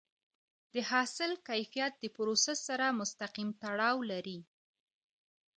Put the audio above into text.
د حاصل کیفیت د پروسس سره مستقیم تړاو لري.